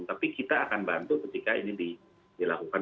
tapi kita akan bantu ketika ini dilakukan